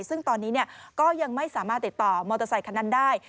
ซึ่งตอนนี้ก็ยังไม่สามารถติดต่อมอเตอร์ไซคันนั้นได้